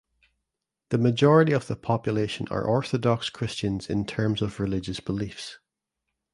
The majority of the population are Orthodox Christians in terms of religious beliefs.